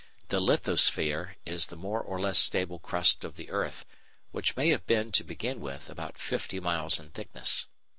The lithosphere is the more or less stable crust of the earth, which may have been, to begin with, about fifty miles in thickness.